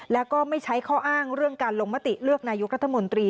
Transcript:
แล้วก็ไม่ใช้ข้ออ้างเรื่องการลงมติเลือกนายกรัฐมนตรี